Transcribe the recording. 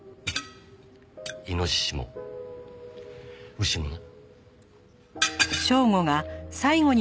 イノシシも牛もな。